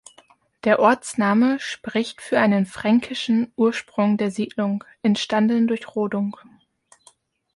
Der Ortsname spricht für einen fränkischen Ursprung der Siedlung, entstanden durch Rodung.